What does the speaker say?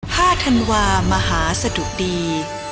ธันวามหาสะดุดี